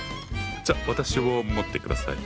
じゃ私をもって下さい。